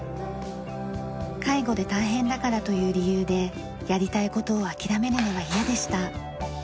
介護で大変だからという理由でやりたい事を諦めるのは嫌でした。